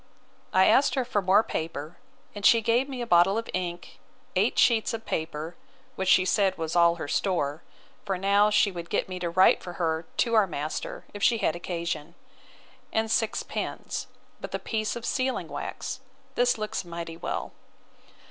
I asked her for more paper; and she gave me a bottle of ink, eight sheets of paper, which she said was all her store, (for now she would get me to write for her to our master, if she had occasion,) and six pens, with a piece of sealing wax. This looks mighty well.